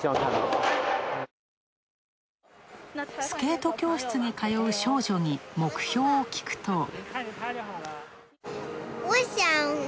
スケート教室に通う少女に目標を聞くと。